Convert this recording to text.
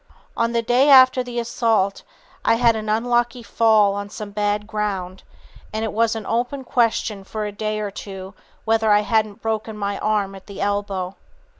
"On the day after the assault I had an unlucky fall on some bad ground, and it was an open question for a day or two whether I hadn't broken my arm at the elbow.